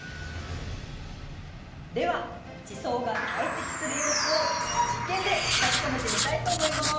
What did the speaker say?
では地層が堆積する様子を実験で確かめてみたいと思います。